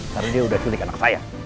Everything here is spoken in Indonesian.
karena dia udah culik anak saya